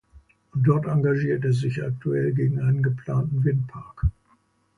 Dort engagiert er sich aktuell gegen einen geplanten Windpark.